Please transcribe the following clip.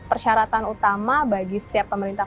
persyaratan utama bagi setiap pemerintah